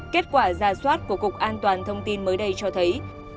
kết quả ra soát của cục an toàn thông tin mới đây cho thấy